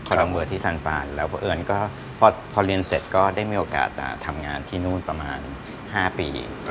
พอน้องเบิร์ดที่สันปานแล้วเพราะเอิญก็พอเรียนเสร็จก็ได้มีโอกาสทำงานที่นู่นประมาณ๕ปี